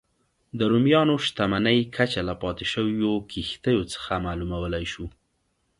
د رومیانو شتمنۍ کچه له پاتې شویو کښتیو څخه معلومولای شو